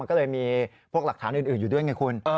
ก็เลยมีพวกหลักฐานอื่นอยู่ด้วยไงคุณ